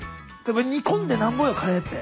煮込んでなんぼよカレーって。